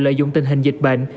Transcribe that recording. lợi dụng tình hình dịch bệnh